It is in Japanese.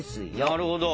なるほど。